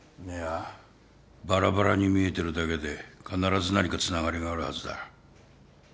いやバラバラに見えてるだけで必ず何かつながりがあるはずだ。